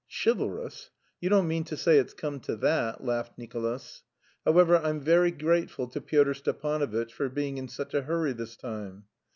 "Chivalrous? You don't mean to say it's come to that," laughed Nicolas. "However, I'm very grateful to Pyotr Stepanovitch for being in such a hurry this time."